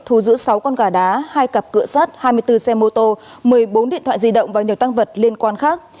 thu giữ sáu con gà đá hai cặp cửa sát hai mươi bốn xe mô tô một mươi bốn điện thoại di động và nhiều tăng vật liên quan khác